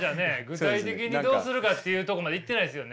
具体的にどうするかっていうとこまでいってないですよね。